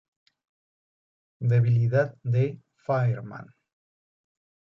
Debilidad de: Fire Man.